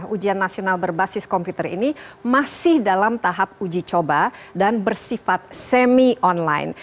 ujian nasional berbasis komputer ini masih dalam tahap uji coba dan bersifat semi online